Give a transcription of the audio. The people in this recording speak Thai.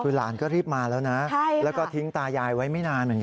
คือหลานก็รีบมาแล้วนะแล้วก็ทิ้งตายายไว้ไม่นานเหมือนกัน